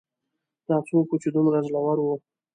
دا څوک و چې دومره زړور و